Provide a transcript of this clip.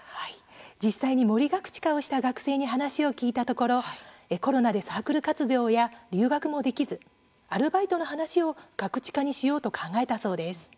実際に盛りガクチカをした学生に話を聞いたところコロナでサークル活動や留学もできずアルバイトの話をガクチカにしようと考えたそうです。